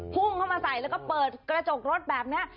พุ่งเข้ามาใส่แล้วก็เปิดกระจกรถแบบนี้